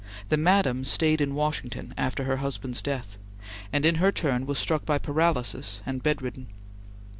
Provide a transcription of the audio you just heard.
The Madam stayed in Washington, after her husband's death, and in her turn was struck by paralysis and bedridden.